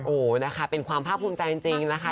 โอ้โหนะคะเป็นความภาคภูมิใจจริงนะคะ